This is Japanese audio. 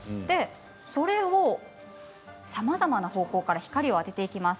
それをさまざまな方向から光を当てていきます。